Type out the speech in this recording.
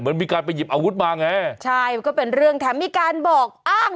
มีการไปหยิบอาวุธมาไงใช่มันก็เป็นเรื่องแถมมีการบอกอ้าง